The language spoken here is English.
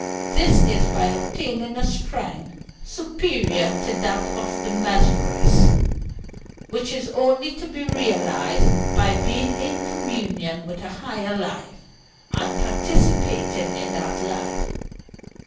This is by obtaining a strength superior to that of the mesmerist, which is only to be realized by being in communion with a Higher Life, and participating in that Life.